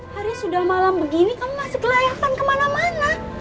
hari sudah malam begini kamu masih kelayakan kemana mana